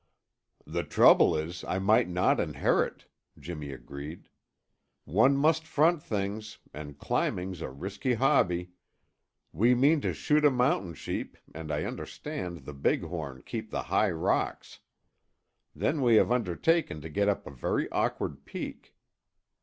"The trouble is, I might not inherit," Jimmy agreed. "One must front things, and climbing's a risky hobby. We mean to shoot a mountain sheep and I understand the big horn keep the high rocks. Then we have undertaken to get up a very awkward peak.